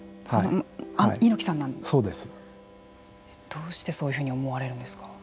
どうしてそういうふうに思われるんですか？